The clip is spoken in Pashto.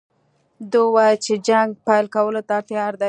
ده وویل چې جنګ پیل کولو ته تیار دی.